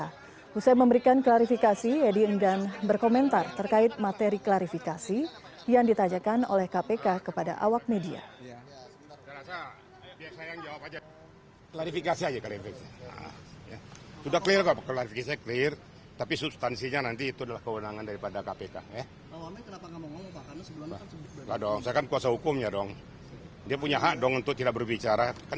selesai memberikan klarifikasi edi enggan berkomentar terkait materi klarifikasi yang ditajakan oleh kpk kepada awak media